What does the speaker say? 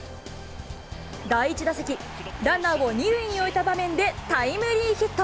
第１打席、ランナーを２塁に置いた場面でタイムリーヒット。